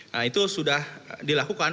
nah itu sudah dilakukan